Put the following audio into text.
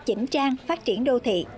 chỉnh trang phát triển đô thị